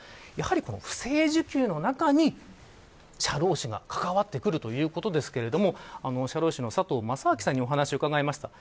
不正受給の中に社労士が関わってくるということですが社労士の佐藤正明さんにお話をうかがいました。